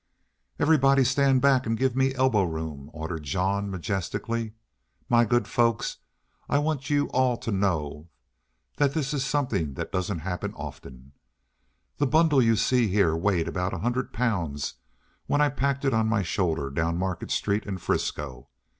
"Everybody stand back an' give me elbow room," ordered Jean, majestically. "My good folks, I want you all to know this is somethin' that doesn't happen often. The bundle you see here weighed about a hundred pounds when I packed it on my shoulder down Market Street in Frisco.